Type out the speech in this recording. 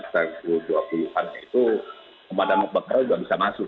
pada saat itu pembakaran sudah bisa masuk